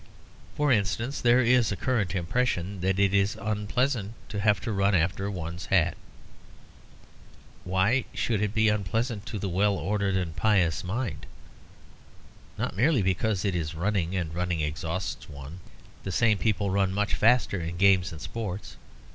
For instance, there is a current impression that it is unpleasant to have to run after one's hat. Why should it be unpleasant to the well ordered and pious mind? Not merely because it is running, and running exhausts one. The same people run much faster in games and sports.